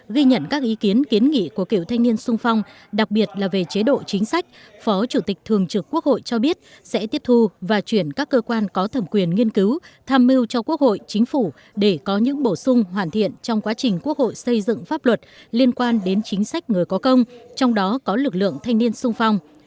ghi nhận các ý kiến kiến nghị của cựu thanh niên sung phong đặc biệt là về chế độ chính sách phó chủ tịch thường trực quốc hội cho biết sẽ tiếp thu và chuyển các cơ quan có thẩm quyền nghiên cứu tham mưu cho quốc hội chính phủ để có những bổ sung hoàn thiện trong quá trình quốc hội xây dựng pháp luật liên quan đến chính sách người có công trong đó có lực lượng thanh niên sung phong